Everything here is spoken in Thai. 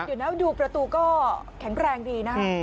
เดี๋ยวนะดูประตูก็แข็งแรงดีนะ